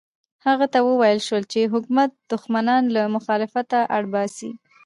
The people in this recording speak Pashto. هغه ته وویل شول چې حکومت دښمنان له مخالفته اړ باسي.